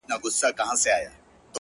ستا سومه; چي ستا سومه; چي ستا سومه;